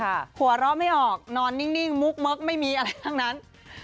หัวเราะไม่ออกนอนนิ่งมุกเมิร์กไม่มีอะไรทั้งนั้น